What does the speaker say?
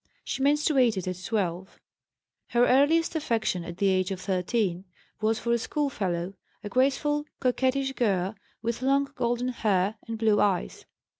She menstruated at 12. Her earliest affection, at the age of 13, was for a schoolfellow, a graceful, coquettish girl with long golden hair and blue eyes.